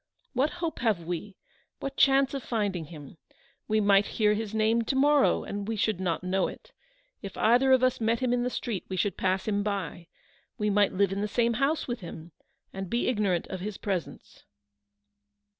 What hope have we ? what chance of finding him ? We might hear his name to morrow, and we should not know it. If either of us met him in the street, we should pass him by. We might live in the same house with him, and be ignorant of his presence."